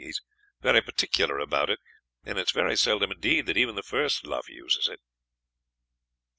He is very particular about it, and it is very seldom indeed that even the first luff uses it."